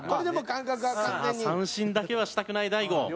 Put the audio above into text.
さあ三振だけはしたくない大悟。